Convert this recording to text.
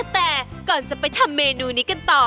แต่ก่อนจะไปทำเมนูนี้กันต่อ